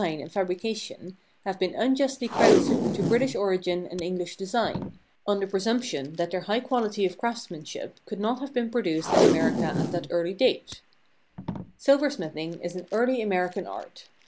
William and Mary period Jacobean Vegetable Dish Richly ornate fabrication have been unjustly credited to British origin and English design, on the presumption that their high quality of craftsmanship could not have been produced in America at that early date. Silversmithing is an early American art.